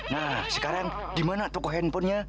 nah sekarang di mana toko handphonenya